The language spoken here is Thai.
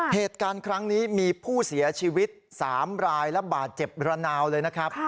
เหตุการณ์ครั้งนี้มีผู้เสียชีวิต๓รายและบาดเจ็บระนาวเลยนะครับ